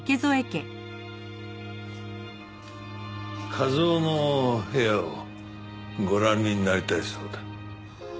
一雄の部屋をご覧になりたいそうだ。